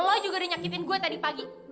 lo juga dinyakitin gue tadi pagi